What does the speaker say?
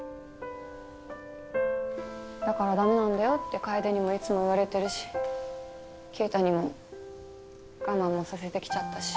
だから駄目なんだよって楓にもいつも言われてるし圭太にも我慢もさせてきちゃったし。